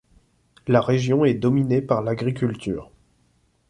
La région est dominée par l'agriculture.